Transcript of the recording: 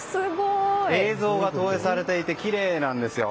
映像が投影されていてきれいなんですよ。